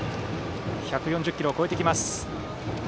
１４０キロを超えています。